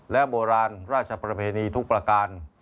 และโบราณราชประเพณีทุกประการ